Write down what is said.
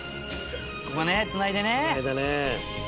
ここねつないでね。